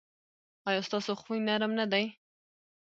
ایا ستاسو خوی نرم نه دی؟